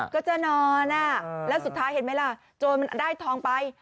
ก็จะนอนแล้วสุดท้ายเห็นไหมล่ะโจรมันได้ทองไป